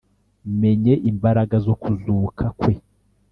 menye imbaraga zo kuzuka kwe